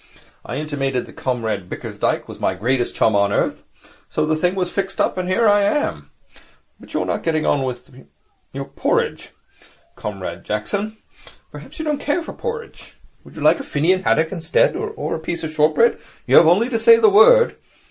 I intimated that Comrade Bickersdyke was my greatest chum on earth. So the thing was fixed up and here I am. But you are not getting on with your porridge, Comrade Jackson. Perhaps you don't care for porridge? Would you like a finnan haddock, instead? Or a piece of shortbread? You have only to say the word.'